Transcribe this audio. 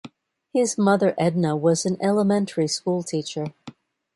His mother Edna was an elementary school teacher.